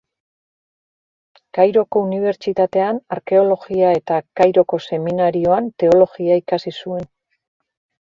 Kairoko Unibertsitatean arkeologia eta Kairoko seminarioan teologia ikasi zuen.